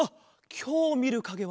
きょうみるかげはな